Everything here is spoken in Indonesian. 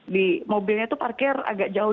di mobilnya itu parkir agak jauh